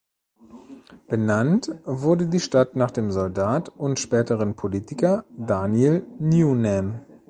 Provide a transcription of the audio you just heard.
Benannt wurde die Stadt nach dem Soldat und späteren Politiker Daniel Newnan.